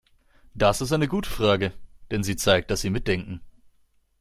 Das ist eine gute Frage, denn sie zeigt, dass Sie mitdenken.